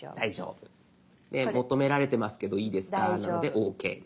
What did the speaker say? で「求められてますけどいいですか？」なので「ＯＫ」です。